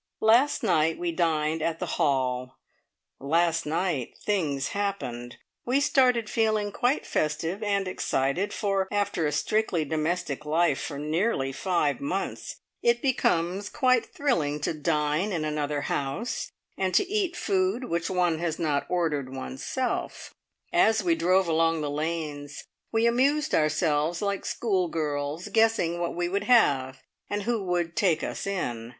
Last night we dined at the Hall. Last night things happened. We started feeling quite festive and excited, for, after a strictly domestic life for nearly five months, it becomes quite thrilling to dine in another house, and to eat food which one has not ordered oneself. As we drove along the lanes, we amused ourselves like schoolgirls, guessing what we "would have," and who would "take us in".